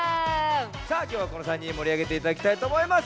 さあきょうはこの３にんでもりあげていただきたいとおもいます！